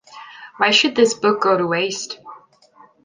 Why should this book go to waste?